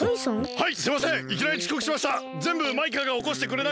はい！